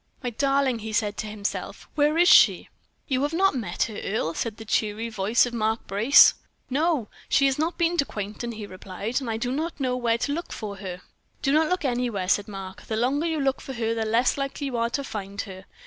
"My darling!" he said to himself, "where is she?" "You have not met her, Earle?" said the loud, cheery voice of Mark Brace. "No, she has not been to Quainton," he replied, "and I do not know where to look for her." "Do not look anywhere," said Mark; "the longer you look for her the less likely you are to find her.